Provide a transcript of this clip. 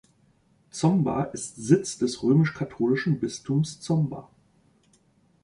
Zomba ist Sitz des römisch-katholischen Bistums Zomba.